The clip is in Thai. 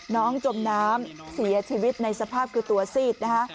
จมน้ำเสียชีวิตในสภาพคือตัวซีดนะคะ